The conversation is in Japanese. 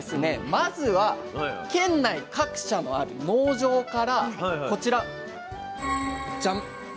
まずは県内各社にある農場からこちらジャン。